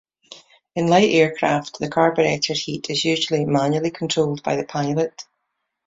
In light aircraft, the carburetor heat is usually manually controlled by the pilot.